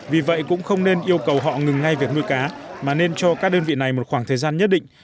vì vậy cũng không nên yêu cầu họ ngừng ngay việc nuôi cá mà nên cho các đơn vị này một khoảng thời gian nhất định